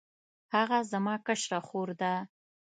هغه زما کشره خور ده